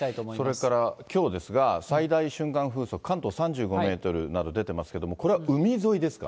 それからきょうですが、最大瞬間風速、関東３５メートルなど出てますけれども、これ、海沿いですか？